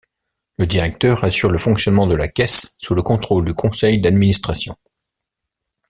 Le directeur assure le fonctionnement de la caisse sous le contrôle du conseil d'administration.